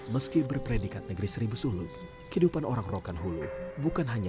meski berpredikat negeri seribu suluk kehidupan orang rokan hulu bukan hanya